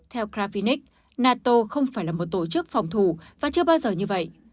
theo kravinic nato không phải là một tổ chức phòng thủ và chưa bao giờ như vậy